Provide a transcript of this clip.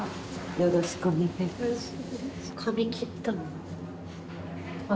よろしくお願いします。